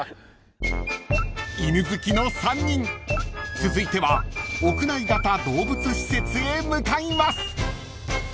［続いては屋内型動物施設へ向かいます］